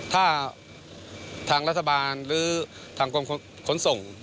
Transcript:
ถ้าทางรัฐบาลหรือทางกรมขนส่ง